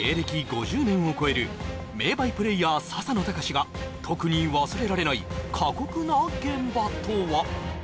５０年を超える名バイプレーヤー笹野高史が特に忘れられない過酷な現場とは？